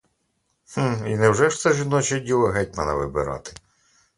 І невже ж це жіноче діло — гетьмана вибирати?